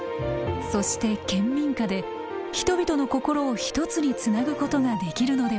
そして県民歌で人々の心をひとつにつなぐことができるのではないか。